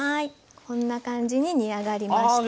こんな感じに煮上がりました。